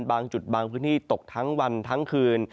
บางจุดบางพื้นที่ตกทั้งวันทั้งคืน